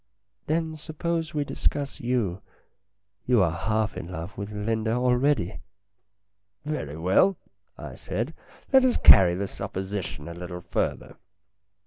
"Then suppose we discuss you. You are half in love with Linda already." " Very well," I said, " let us carry the supposi tion a little further.